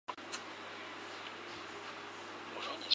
这说明这些条纹是比较新的。